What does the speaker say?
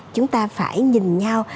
chúng ta phải nhìn nhau